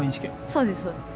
そうですそうです。